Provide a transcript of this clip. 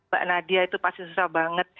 mbak nadia itu pasti susah banget